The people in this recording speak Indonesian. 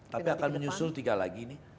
tapi akan menyusul tiga lagi ini